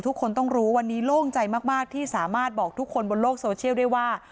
ทุกคนต้องรู้วันนี้โล่งใจมากที่สามารถบอกทุกคนบนโลกโซเชียลได้ว่า